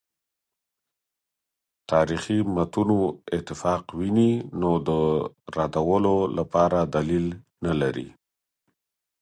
تاریخي متونو اتفاق ویني نو د ردولو لپاره دلیل نه لري.